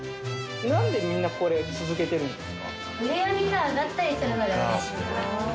なんでみんなこれ続けてるんですか？